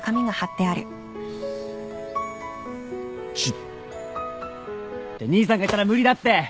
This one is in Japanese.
ジュって兄さんがいたら無理だって！